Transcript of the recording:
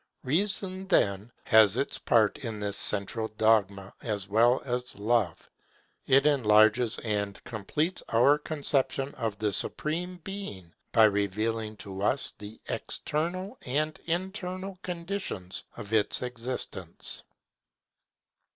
Reason, then, has its part in this central dogma as well as Love. It enlarges and completes our conception of the Supreme Being, by revealing to us the external and internal conditions of its existence.